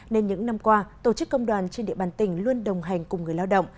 nên những năm qua tổ chức công đoàn trên địa bàn tỉnh luôn đồng hành cùng người lao động